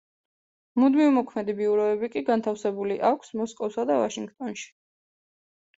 მუდმივმოქმედი ბიუროები კი განთავსებული აქვს მოსკოვსა და ვაშინგტონში.